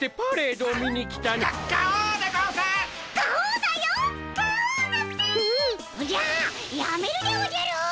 おじゃっやめるでおじゃるっ！